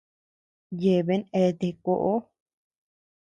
Yeaben eate koʼo.